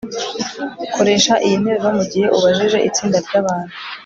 koresha iyi nteruro mugihe ubajije itsinda ryabantu